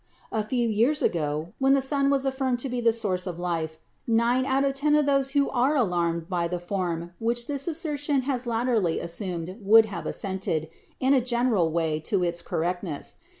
"A few years ago, when the sun was affirmed to be the source of life, nine out of ten of those who are alarmed by the form which this assertion has latterly assumed would have assented, in a general way, to its correctness.